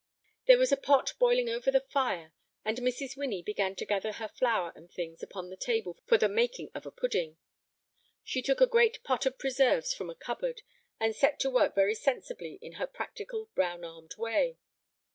There was a pot boiling over the fire, and Mrs. Winnie began to gather her flour and things upon the table for the making of a pudding. She took a great pot of preserves from a cupboard, and set to work very sensibly in her practical, brown armed way.